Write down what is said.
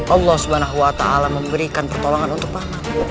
allah swt memberikan pertolongan untuk pangan